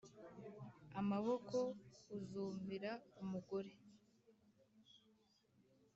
amaboko! uzumvira umugore